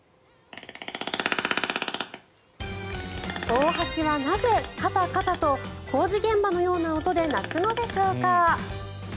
オオハシはなぜカタカタと工事現場のような音で鳴くのでしょうか。